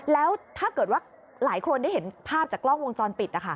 แล้วถ้าเกิดว่าหลายคนได้เห็นภาพจากกล้องวงจรปิด